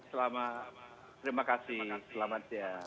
terima kasih selamat siang